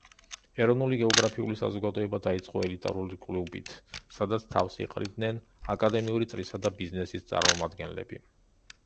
ეროვნული გეოგრაფიული საზოგადოება დაიწყო ელიტარული კლუბით, სადაც თავს იყრიდნენ აკადემიური წრისა და ბიზნესის წარმომადგენლები.